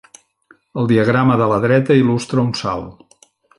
El diagrama de la dreta il·lustra un salt.